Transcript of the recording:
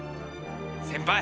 先輩。